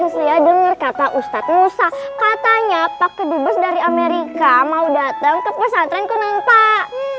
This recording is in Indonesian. saya dengar kata ustadz musa katanya pak kedubes dari amerika mau datang ke pesantren kunang pak